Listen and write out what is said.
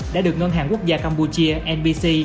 đã được ngân hàng quốc gia và cơ quan quản lý